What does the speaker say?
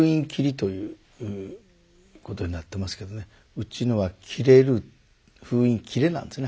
うちのは切れる「封印切」なんですね